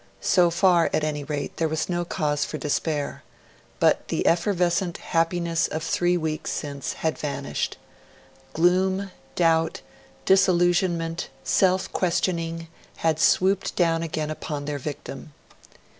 So far, at any rate, there was no cause for despair. But the effervescent happiness of three weeks since had vanished. Gloom, doubt, disillusionment, self questioning, had swooped down again upon their victim.